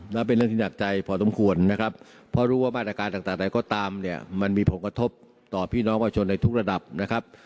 แล้วเป็นเรื่องที่หนักใจพอสมควรนะครับเพราะรู้ว่ามาตรการต่างใดก็ตามเนี่ยมันมีผลกระทบต่อพี่น้องประชาชนในทุกระดับนะครับ